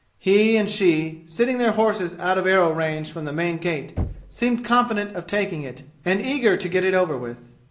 He and she, sitting their horses out of arrow range from the main gate seemed confident of taking it and eager to get it over with.